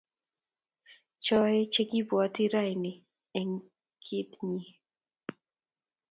Choe che kibwaati raoni eng kitii nyii.